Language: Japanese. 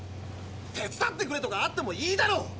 「手伝ってくれ」とかあってもいいだろ！